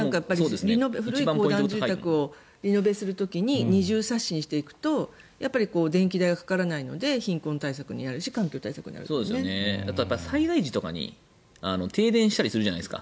古い公団住宅をリノベする時に二重サッシにすると電気代がかからないので貧困対策になるしあと、災害時とかに停電したりとかするじゃないですか。